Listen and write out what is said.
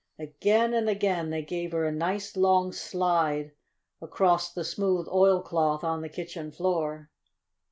Again and again they gave her a nice, long slide across the smooth oilcloth on the kitchen floor.